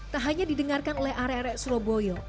tak hanya didengarkan oleh are are surabaya